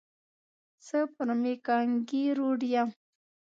زه پر مېکانګي روډ یم.